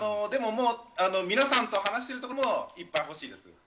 でももう、皆さんと話しているところもいっぱい欲しいです。